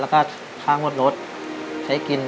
พ่อผมจะช่วยพ่อผมจะช่วยพ่อผมจะช่วย